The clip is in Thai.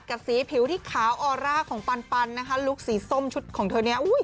ก่ะสีผิวที่ขาวอลลาร์ของปัญปัญลูกสีส้มของเธอนี้